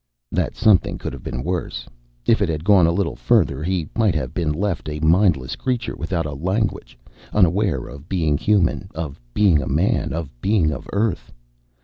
_ That something could have been worse. If it had gone a little further, he might have been left a mindless creature without a language, unaware of being human, of being a man, of being of Earth.